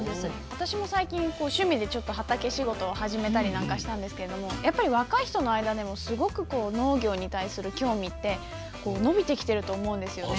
私も最近趣味で畑仕事を始めたりなんかしたんですけれどもやっぱり若い人の間でもすごく農業に対する興味って伸びてきてると思うんですよね。